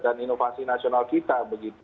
dan inovasi nasional kita